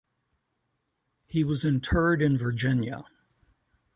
He was interred in Virginia.